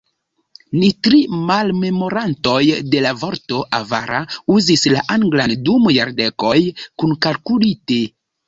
Ni tri malmemorantoj de la vorto "avara" uzis la anglan dum jardekoj, kunkalkulite.